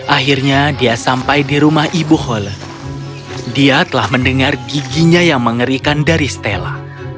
akhirnya dia sampai di rumah ibu hole dia telah mendengar giginya yang mengerikan dari stella